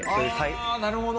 あぁなるほど。